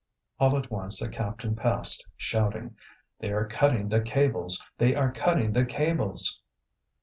All at once a captain passed, shouting: "They are cutting the cables! they are cutting the cables!"